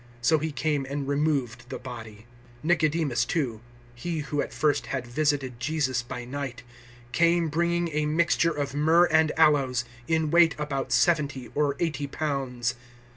So he came and removed the body. 019:039 Nicodemus too he who at first had visited Jesus by night came bringing a mixture of myrrh and aloes, in weight about seventy or eighty pounds.